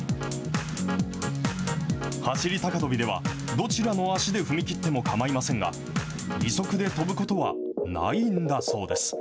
走り高跳びではどちらの足で踏み切ってもかまいませんが、義足で跳ぶことはないんだそうです。